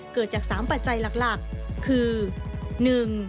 เกิดจาก๓ปัจจัยหลักคือ